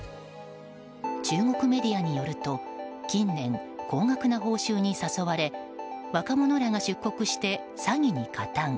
中国メディアによると近年、高額な報酬に誘われ若者らが出国して詐欺に加担。